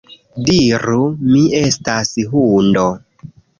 Diru, mi estas hundo